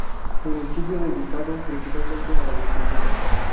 Municipio dedicado principalmente a la agricultura.